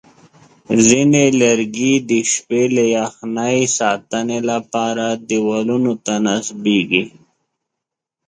ځینې لرګي د شپې له یخنۍ ساتنې لپاره دیوالونو ته نصبېږي.